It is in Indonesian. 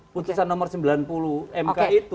putusan nomor sembilan puluh mk itu